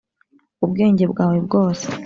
ubwenge bwawe bwose.